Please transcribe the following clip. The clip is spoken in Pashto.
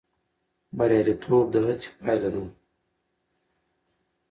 بریالیتوب د هڅې پایله ده.